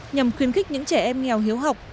nhằm khuyến khích những trẻ em nghèo hiếu học